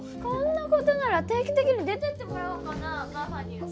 こんな事なら定期的に出てってもらおうかなママに。